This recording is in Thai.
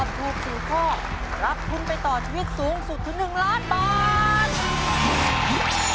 ถูก๔ข้อรับทุนไปต่อชีวิตสูงสุดถึง๑ล้านบาท